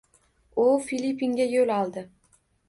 U Filippinga yoʻl oldi.